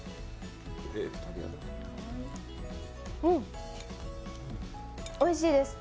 うん、おいしいです。